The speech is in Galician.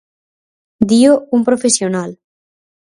Dío un profesional.